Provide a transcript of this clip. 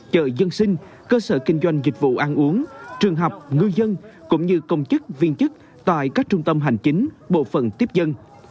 chợ dân sinh cơ sở kinh doanh dịch vụ ăn uống trường học ngư dân cũng như công chức viên chức tại các trung tâm hành chính bộ phần tiếp dân